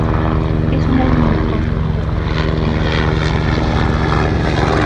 Es una liana con flores de color crema muy atractivas.